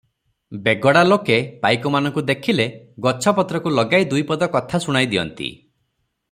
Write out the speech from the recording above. ବେଗଡ଼ା ଲୋକେ ପାଇକମାନଙ୍କୁ ଦେଖିଲେ ଗଛ ପତ୍ରକୁ ଲଗାଇ ଦୁଇପଦ କଥା ଶୁଣାଇଦିଅନ୍ତି ।